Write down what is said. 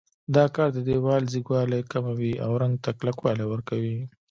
دا کار د دېوال ځیږوالی کموي او رنګ ته کلکوالی ورکوي.